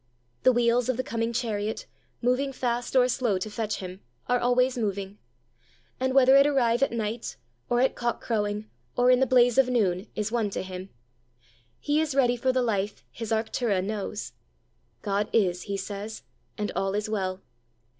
The wheels of the coming chariot, moving fast or slow to fetch him, are always moving; and whether it arrive at night, or at cock crowing, or in the blaze of noon, is one to him. He is ready for the life his Arctura knows. "God is," he says, "and all is well."